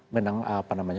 meneng apa namanya